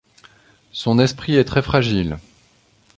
Son esprit est très fragile.